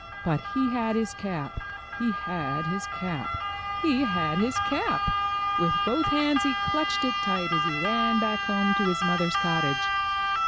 But he had his cap ! He had his cap ! He had his cap ! With both hands he clutched it tight as he ran back home to his mother^s cottage.